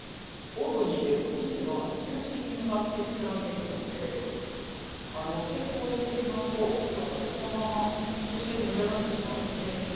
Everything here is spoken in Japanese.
オーブンに入れると生地は中心に向かってふくらんでいくので平行にしてしまうとそのまま中心だけ盛り上がってしまうので寄せていきます。